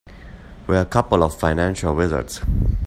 We're a couple of financial wizards.